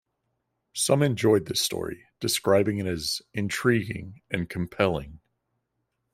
Some enjoyed the story, describing it as "intriguing" and "compelling".